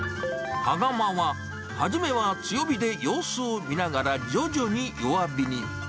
羽釜は、初めは強火で様子を見ながら、徐々に弱火に。